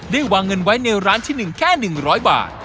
ได้วางเงินไว้ในร้านที่หนึ่งแค่หนึ่งร้อยบาท